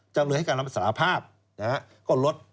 จำเลยให้การรับสารภาพก็ลด